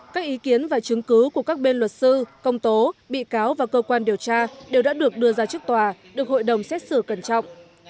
các ý kiến và chứng cứ của các bên luật sư công tố bị cáo và cơ quan điều tra đều đã được đưa ra trước tòa được hội đồng xét xử cẩn trọng